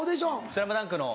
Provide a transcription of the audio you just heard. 『ＳＬＡＭＤＵＮＫ』の。